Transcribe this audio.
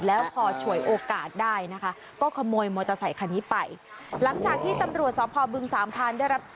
แล้วพอฉวยโอกาสได้นะคะก็ขโมยมอเตอร์ไซคนนี้ไป